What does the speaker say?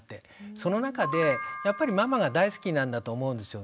その中でやっぱりママが大好きなんだと思うんですよね。